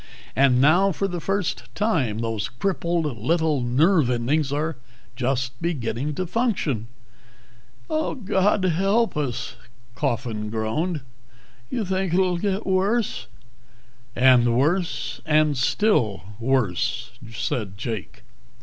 And now for the first time those crippled little nerve endings are just beginning to function." "God help us," Coffin groaned. "You think it'll get worse?" "And worse. And still worse," said Jake.